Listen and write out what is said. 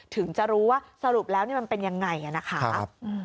ถึงจะรู้ว่าสรุปแล้วมันเป็นยังไงนะคะ